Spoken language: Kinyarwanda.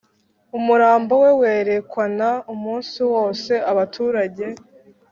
Umurambo we werekwana umunsi wose abaturage